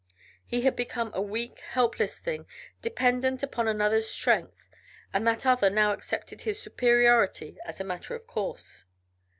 He had become a weak, helpless thing, dependent upon another's strength, and that other now accepted his superiority as a matter of course.